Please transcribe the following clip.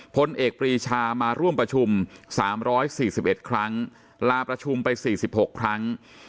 พลเอกปรีชามาร่วมประชุม๓๔๑ครั้งลาประชุมไป๔๖ครั้ง